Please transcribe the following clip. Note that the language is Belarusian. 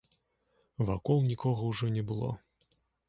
Вакол нікога ўжо не было.